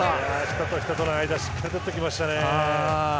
人と人との間にしっかり打ってきましたね。